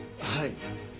はい。